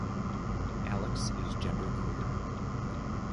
Alex is genderqueer.